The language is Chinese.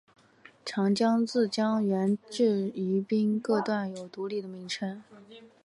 长江自江源至宜宾各段有独立的名称。